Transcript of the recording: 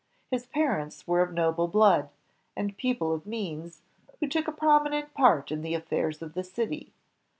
His parents were of noble blood, and people of means, who took a prominent part in the affairs of the city.